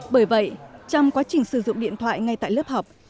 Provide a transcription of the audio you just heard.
bởi vậy trong quá trình sử dụng điện thoại ngay tại lớp học